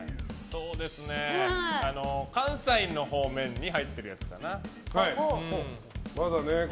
関西の方面に入ってるやつかな。